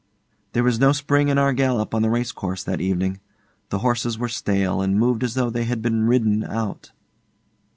There was no spring in our gallop on the racecourse that evening. The horses were stale, and moved as though they had been ridden out.